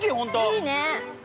◆いいね。